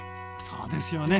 そうですよね。